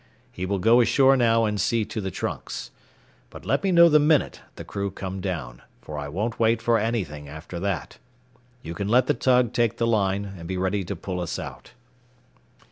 He will go ashore now and see to the trunks. But let me know the minute the crew come down, for I won't wait for anything after that. You can let the tug take the line and be ready to pull us out."